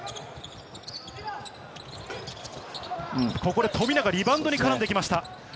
ここで富永、リバウンドに絡んできました。